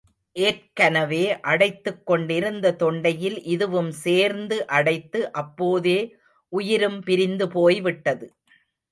ஏற்கனவே அடைத்துக் கொண்டிருந்த தொண்டையில் இதுவும் சேர்ந்து அடைத்து, அப்போதே உயிரும் பிரிந்து போய் விட்டது.